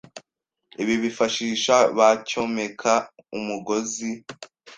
Ibi bifashisha bacyomeka umugozi